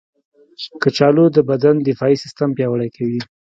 کچالو د بدن دفاعي سیستم پیاوړی کوي.